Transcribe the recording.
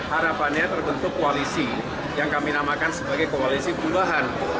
harapannya terbentuk koalisi yang kami namakan sebagai koalisi perubahan